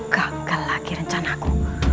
gagal lagi rencanamu